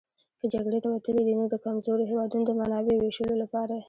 که جګړې ته وتلي دي نو د کمزورو هېوادونو د منابعو وېشلو لپاره.